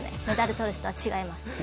メダルとる人は違います。